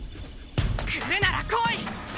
来るなら来い！